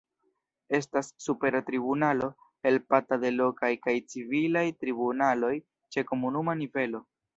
Estas Supera Tribunalo, helpata de lokaj kaj civilaj tribunaloj ĉe komunuma nivelo.